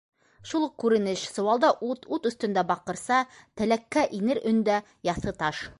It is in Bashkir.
- Шул уҡ күренеш: сыуалда - ут, ут өҫтөндә - баҡырса, тәләккә инер өндә - яҫы таш.